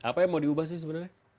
apa yang mau diubah sih sebenarnya